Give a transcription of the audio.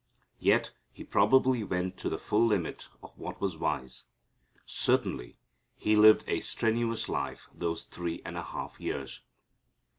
Yet He probably went to the full limit of what was wise. Certainly He lived a strenuous life those three and a half years.